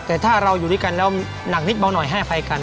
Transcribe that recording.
แต่ถ้าเราอยู่ด้วยกันแล้วหนักนิดเบาหน่อยให้อภัยกัน